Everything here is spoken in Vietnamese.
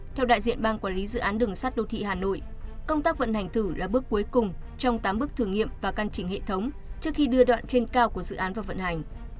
theo đại diện ban quản lý dự án đường sắt đô thị hà nội công tác vận hành thử là bước cuối cùng trong tám bước thử nghiệm và căn chỉnh hệ thống trước khi đưa đoạn trên cao của dự án vào vận hành